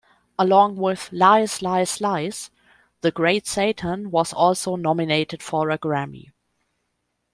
Along with "LiesLiesLies", "The Great Satan" was also nominated for a Grammy.